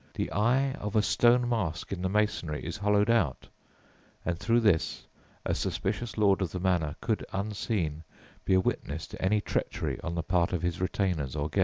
The eye of a stone mask in the masonry is hollowed out and through this a suspicious lord of the manor could, unseen, be a witness to any treachery on the part of his retainers or guests.